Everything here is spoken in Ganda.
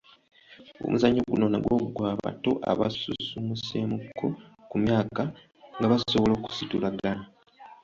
Omuzannyo guno nagwo gwa bato abasuumuuseemukko ku myaka nga basobola okusitulagana.